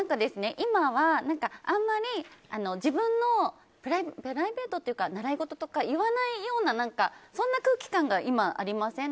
今はあんまり自分のプライベートというか習い事とかを言わないようなそんな空気感が今、ありません？